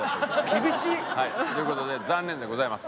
厳しい！という事で残念でございます。